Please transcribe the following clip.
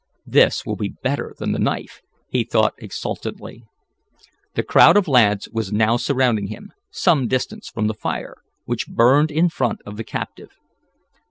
"This will be better than the knife!" he thought exultantly. The crowd of lads was now surrounding him, some distance from the fire, which burned in front of the captive.